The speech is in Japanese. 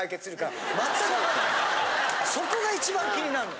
そこが一番気になんの。